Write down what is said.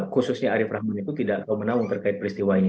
khususnya arief rahman itu tidak tahu menaung terkait peristiwa ini